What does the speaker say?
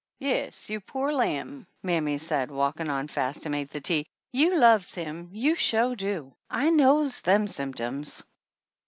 "Yes, you pore lamb," mammy said, walking on fast to make the tea, "you loves him, you shore do. I knows them symptoms